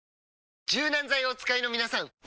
柔軟剤をお使いのみなさん！